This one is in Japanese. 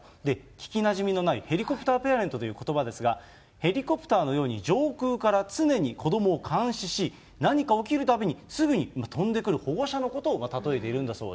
聞きなじみのないヘリコプターペアレントということばですが、ヘリコプターのように上空から常に子どもを監視し、何か起きるたびにすぐに飛んでくる保護者のことを例えているんだ